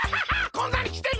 こんなにきてんのか！